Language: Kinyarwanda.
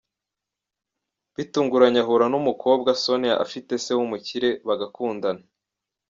Bitunguranye ahura n’umukobwa Sonia ufite se w’umukire, bagakundana.